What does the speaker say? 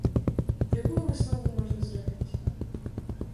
Якую выснову можна зрабіць?